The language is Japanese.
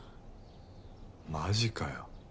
マジかよ。